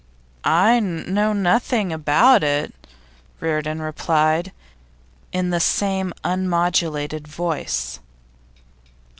'I know nothing about it,' Reardon replied, in the same unmodulated voice.